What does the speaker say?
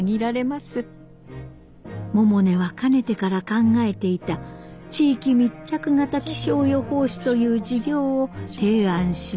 百音はかねてから考えていた地域密着型気象予報士という事業を提案しました。